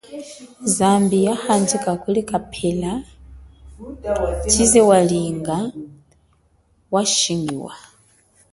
Zambi ya handjika kuli kapela, chize walinga washingiwa.